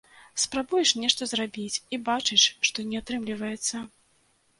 Спрабуеш нешта зрабіць, і бачыш, што не атрымліваецца.